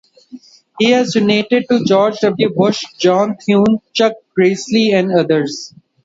He has donated to George W. Bush, John Thune, Chuck Grassley, and others.